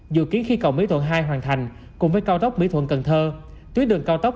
dự kiến khi cầu mỹ thuận hai hoàn thành cùng với cao tốc mỹ thuận cần thơ tuyến đường cao tốc